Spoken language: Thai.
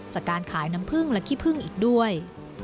จากการขายน้ำพึ่งและขี้พึ่งอีกด้วย